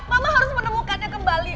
mama harus menemukannya kembali